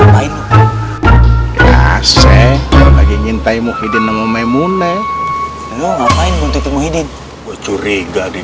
lewat gave masih tiga kamu notification lagi